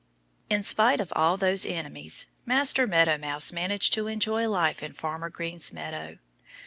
In spite of all those enemies, Master Meadow Mouse managed to enjoy life in Farmer Green's meadow.